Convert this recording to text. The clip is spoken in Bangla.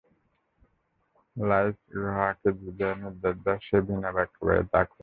লাঈছ ইউহাওয়াকে যে নির্দেশ দেয়, সে বিনা বাক্য ব্যয়ে তা করে যায়।